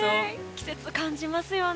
季節を感じますよね。